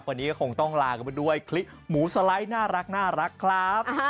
วันนี้ก็คงต้องลากันไปด้วยคลิปหมูสไลด์น่ารักครับ